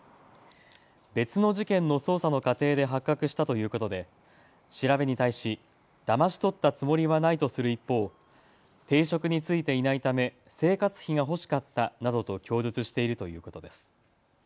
別の事件の捜査の過程で発覚したということで調べに対しだまし取ったつもりはないとする一方、定職に就いていないため生活費が欲しかったなどと供述しているということです。